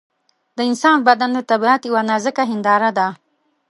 د انسان بدن د طبیعت یوه نازکه هنداره ده.